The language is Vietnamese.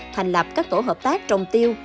thành lập các tổ hợp tác trồng tiêu